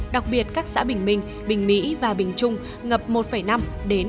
đặc biệt các xã bình minh bình mỹ và bình trung ngập một năm hai m